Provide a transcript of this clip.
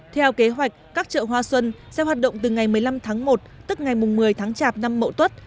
theo kế hoạch các chợ hoa xuân sẽ hoạt động từ ngày một mươi năm tháng một tức ngày một mươi tháng chạp năm mậu tuất